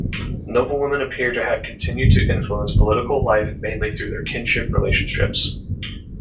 Noblewomen appear to have continued to influence political life mainly through their kinship relationships.